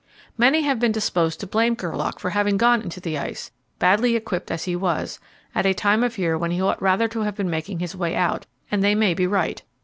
Many have been disposed to blame Gerlache for having gone into the ice, badly equipped as he was, at a time of year when he ought rather to have been making his way out, and they may be right.